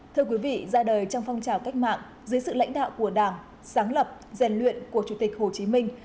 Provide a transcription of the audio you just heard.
thưa quý vị ra đời trong phong trào cách mạng dưới sự lãnh đạo của đảng sáng lập rèn luyện của chủ tịch hồ chí minh